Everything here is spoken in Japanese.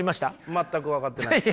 全く分かってないですけど。